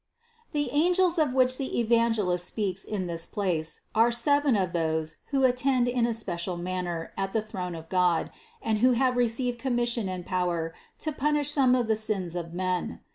266. The angels of which the Evangelist speaks in this place, are seven of those who attend in a special manner at the throne of God and who have received commission and power to punish some of the sins of men.